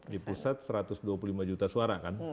di pusat satu ratus dua puluh lima juta suara kan